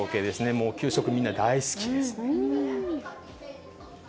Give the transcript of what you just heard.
もう給食、みんな大好きです。